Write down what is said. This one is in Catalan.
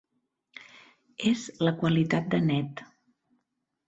És la qualitat de net.